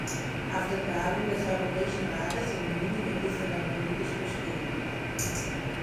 Auf der Tagung des Europäischen Rates im Juni wird dieser dann politisch bestätigt.